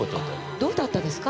どうだったですか？